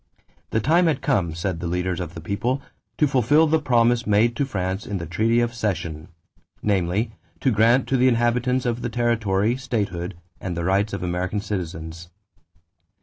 The time had come, said the leaders of the people, to fulfill the promise made to France in the treaty of cession; namely, to grant to the inhabitants of the territory statehood and the rights of American citizens.